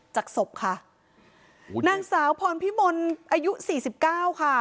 จากศพค่ะนางสาวพรพิมลอายุสี่สิบเก้าค่ะ